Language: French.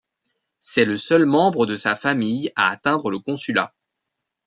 C'est le seul membre de sa famille à atteindre le consulat.